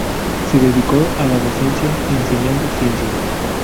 Se dedicó a la docencia, enseñando Ciencia.